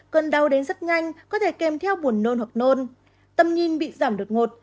cơn đau đến rất nhanh có thể kèm theo buồn nôn hoặc nôn tầm nhìn bị giảm đột ngột